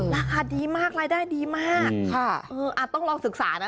ราคาดีมากรายได้ดีมากต้องลองศึกษานะ